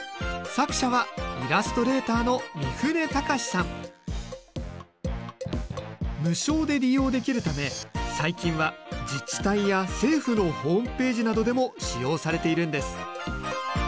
作者は無償で利用できるため最近は自治体や政府のホームページなどでも使用されているんです。